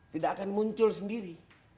tidak akan muncul sendiri